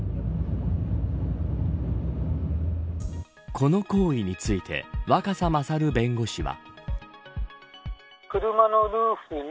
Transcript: この行為について若狭勝弁護士は。